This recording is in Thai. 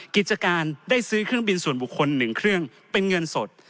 กิจการได้ซื้อเครื่องบินส่วนบุคคล๑เครื่องเป็นเงินสด